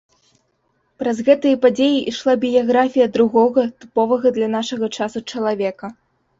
Праз гэтыя падзеі ішла біяграфія другога тыповага для нашага часу чалавека.